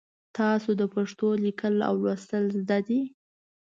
تاسو د پښتو لیکل او لوستل زده دي؟